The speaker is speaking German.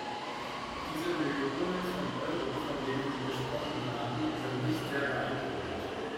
Diese Millionen von Euro, von denen Sie gesprochen haben, sind nicht sehr beeindruckend.